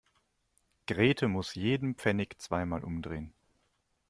Grete muss jeden Pfennig zweimal umdrehen.